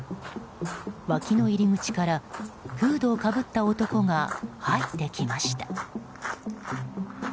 脇の入り口からフードをかぶった男が入ってきました。